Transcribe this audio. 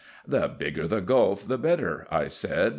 "The bigger the gulf the better," I said.